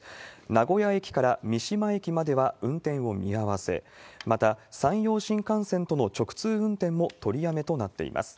名古屋駅から三島駅までは運転を見合わせ、また、山陽新幹線との直通運転も取りやめとなっています。